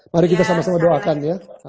mari kita sama sama doakan ya